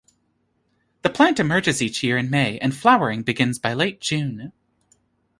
The plant emerges each year in May and flowering begins by late June.